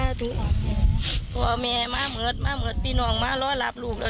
ก็ได้ทำพิธีที่พวกเขาคิดว่าจะสามารถช่วยให้ลูกหลานของเขากลับมาอย่างปลอดภัยครับ